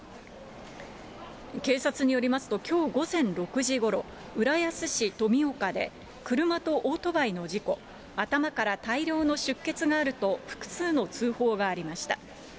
警察によりますと、きょう午前６時ごろ、浦安市とみおかで、車とオートバイの事故、頭から大量の出血があると、複数の通報がありました。